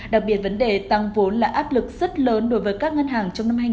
đặc biệt vấn đề tăng vốn là áp lực rất lớn đối với các ngân hàng trong năm hai nghìn hai mươi